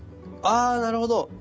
あなるほど。